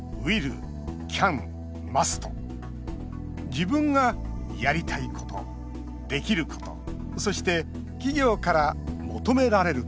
自分がやりたいこと、できることそして企業から求められること。